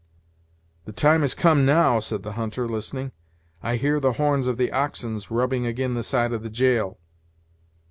"The time has come now," said the hunter, listening; "I hear the horns of the oxen rubbing agin' the side of the jail."